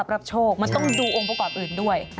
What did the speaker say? รับทราบรับโชคมันต้องดูองค์ภูเขาอื่นด้วย